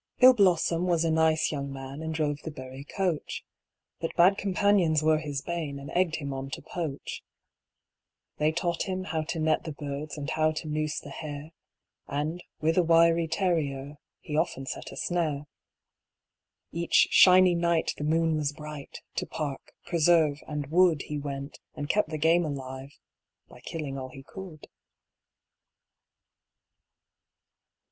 Bill Blossom was a nice young man, And drove the Bury coach; But bad companions were his bane, And egg'd him on to poach. They taught him how to net the birds, And how to noose the hare; And with a wiry terrier, He often set a snare. Each "shiny night" the moon was bright, To park, preserve, and wood He went, and kept the game alive, By killing all he could.